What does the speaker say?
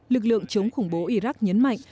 lực lượng chống khủng bố iraq nhấn mạnh